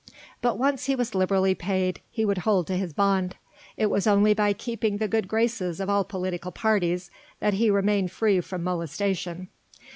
But once he was liberally paid he would hold to his bond: it was only by keeping the good graces of all political parties that he remained free from molestation.